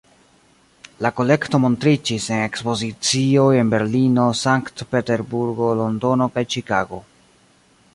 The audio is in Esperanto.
La kolekto montriĝis en ekspozicioj en Berlino, Sankt-Peterburgo, Londono kaj Ĉikago.